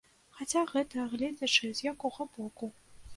Хаця, гэта гледзячы з якога боку.